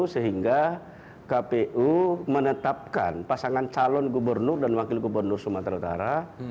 sehingga kpu menetapkan pasangan calon gubernur dan wakil gubernur sumatera utara